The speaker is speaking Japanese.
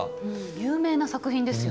有名な作品ですよね。